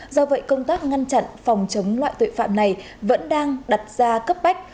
do vậy công tác ngăn chặn phòng chống loại tội phạm này vẫn đang đặt ra cấp bách